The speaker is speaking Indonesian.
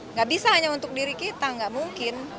enggak bisa hanya untuk diri kita enggak mungkin